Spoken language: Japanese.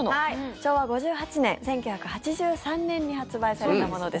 昭和５８年、１９８３年に発売されたものです。